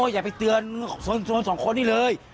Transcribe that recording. อ๋ออยากไปเตือนส่วนทั้ง๒คนนี้เลย